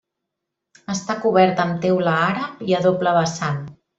Està cobert amb teula àrab i a doble vessant.